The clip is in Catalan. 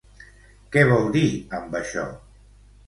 Què vol dir, amb això?